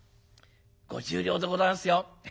五十両でございますよ。